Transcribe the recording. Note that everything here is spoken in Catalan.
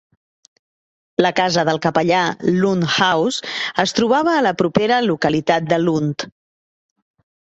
La casa del capellà, Lunt House, es trobava a la propera localitat de Lunt.